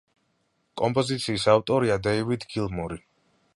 კომპოზიციის ავტორია დეივიდ გილმორი.